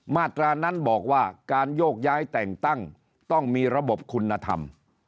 มาตรานั้นบอกว่าการโยกย้ายแต่งตั้งต้องมีระบบคุณธรรม